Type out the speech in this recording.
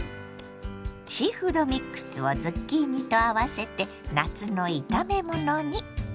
シーフードミックスをズッキーニと合わせて夏の炒めものに。